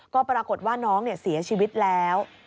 ก็ปรากฏว่าน้องเสียชีวิตแล้ว